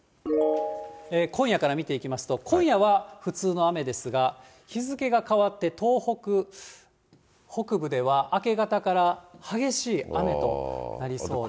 今夜から見ていきますと、今夜は普通の雨ですが、日付が変わって、東北北部では、明け方から激しい雨となりそうです。